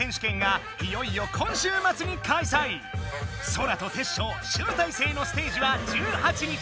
ソラとテッショウ集大成のステージは１８日！